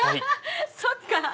そっか。